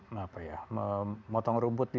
memotong rumput di